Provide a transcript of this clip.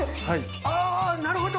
あなるほど。